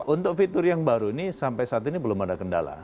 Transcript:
untuk fitur yang baru ini sampai saat ini belum ada kendala